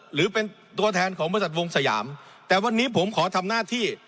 หรือเป็นตัวแทนของบริษัทวงสยามแต่วันนี้ผมขอทำหน้าที่